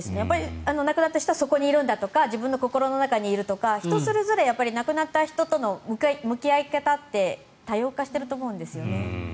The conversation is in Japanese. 亡くなった人はそこにいるんだとか自分の心の中にいるんだとか人それぞれ亡くなった人との向き合い方って多様化していると思うんですね。